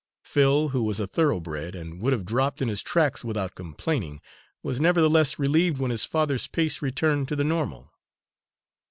Phil, who was a thoroughbred, and would have dropped in his tracks without complaining, was nevertheless relieved when his father's pace returned to the normal.